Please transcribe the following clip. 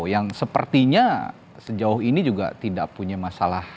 yang sepertinya sejauh ini juga tidak punya masalah